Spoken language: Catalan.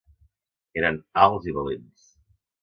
Eren alts i valents.